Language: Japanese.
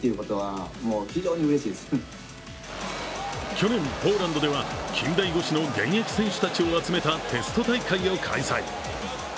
去年、ポーランドでは近代五種の現役選手たちを集めたテスト大会を開催。